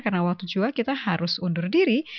karena waktu jua kita harus undur diri